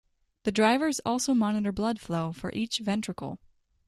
The drivers also monitor blood flow for each ventricle.